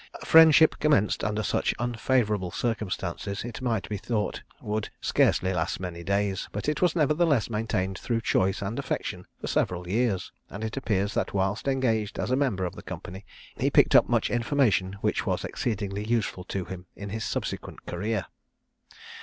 A friendship commenced under such unfavourable circumstances, it might be thought would scarcely last many days, but it was nevertheless maintained through choice and affection for several years; and it appears that whilst engaged as a member of the company, he picked up much information which was exceedingly useful to him in his subsequent career.